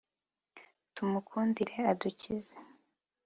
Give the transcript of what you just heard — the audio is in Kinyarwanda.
tumukundire adukize